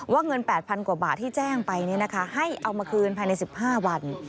เงิน๘๐๐กว่าบาทที่แจ้งไปให้เอามาคืนภายใน๑๕วัน